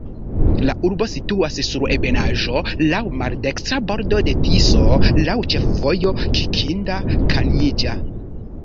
La urbo situas sur ebenaĵo, laŭ maldekstra bordo de Tiso, laŭ ĉefvojo Kikinda-Kanjiĵa.